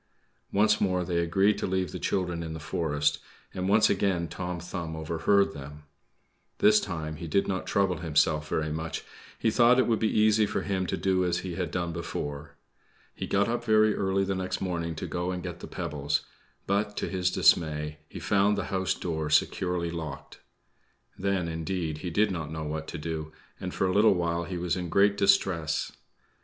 Once more they agreed to leave the children in the forest, and once again Tom Thumb overheard them. This time he did not trouble himself very much; he thought it would be easy for him to do as he had done before. He got up very early the next morning to go and get the pebbles; but, to his dismay, he found the house door securely locked. Then, indeed, he did not know what to do, and for a little while he was in great distress.